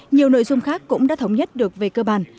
nhiều nội dung khác cũng đã thống nhất được về cơ bản